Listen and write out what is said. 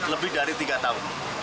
lebih dari tiga tahun